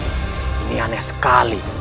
ini aneh sekali